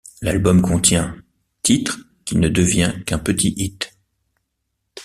L'album contient ', titre qui ne devient qu'un petit hit.